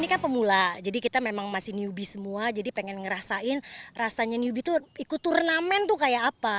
ini kan pemula jadi kita memang masih newbie semua jadi pengen ngerasain rasanya newbie tuh ikut turnamen tuh kayak apa